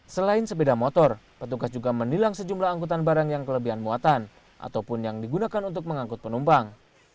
selain sepeda motor petugas juga menilang sejumlah angkutan barang yang kelebihan muatan ataupun yang digunakan untuk mengangkut penumpang